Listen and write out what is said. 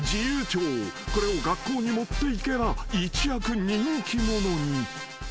［これを学校に持っていけば一躍人気者に］